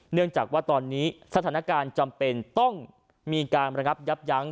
เนื่องจากว่าตอนนี้สถานการณ์จำเป็นต้องมีการระงับยับยั้ง